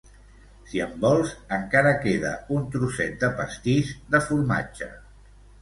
Si en vols, encara queda un trosset de pastís de formatge